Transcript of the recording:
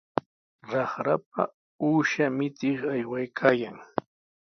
Raqrapa uusha michiq aywaykaayan.